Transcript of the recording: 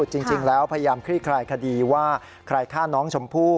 จริงแล้วพยายามคลี่คลายคดีว่าใครฆ่าน้องชมพู่